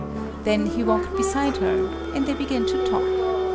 Then he walked beside her; and they began to talk.